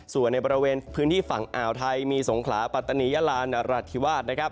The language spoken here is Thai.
ส่วนในบริเวณพื้นที่ฝั่งอ่าวไทยมีสงขลาปัตตานียาลานราธิวาสนะครับ